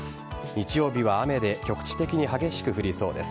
日曜日は雨で局地的に激しく降りそうです。